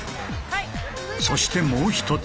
そしてもう一つ。